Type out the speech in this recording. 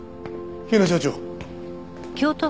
日野所長。